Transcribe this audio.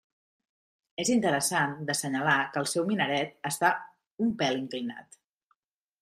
És interessant d'assenyalar que el seu minaret està un pèl inclinat.